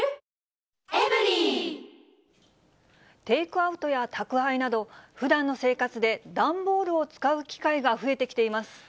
テイクアウトや宅配など、ふだんの生活で段ボールを使う機会が増えてきています。